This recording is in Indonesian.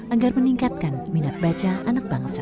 agar meningkatkan minat baca anak bangsa